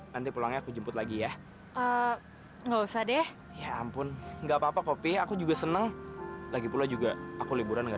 lagi ya nggak usah deh ya ampun nggak apa apa kopi aku juga seneng lagi pula juga aku liburan